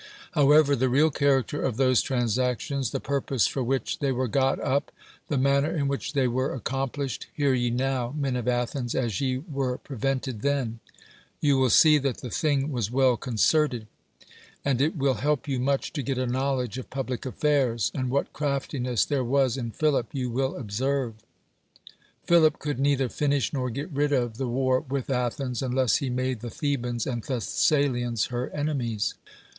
However, the real character of those transactions, the purpose for which they were got up. the manner in which they were ac complished. h'>ar ye now, men of Athens, as ye were prevented then. You will see that the thing was well concerted, and it will help you much to gi't a knowledge of public affairs, and what craftiness there was in Philip you will observe. Philip could ncillier finish nor get rid of the vvar with Athens, unless he made the Thebans and Thessalians Iht enemies.